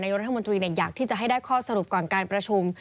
รัฐมนตรีอยากที่จะให้ได้ข้อสรุปก่อนการประชุม